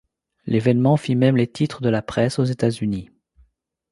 L'évènement fit même les titres de la presse aux États-Unis.